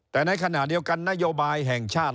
แต่ในขณะเดียวกันนโยบายแห่งชาติ